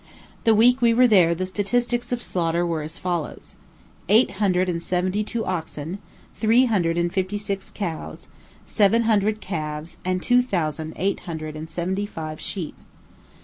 The week we were there the statistics of slaughter were as follows: Eight hundred and seventy two oxen, three hundred and fifty six cows, seven hundred calves, and two thousand eight hundred and seventy five sheep.